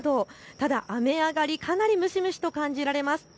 ただ、雨上がりかなり蒸し蒸しと感じられます。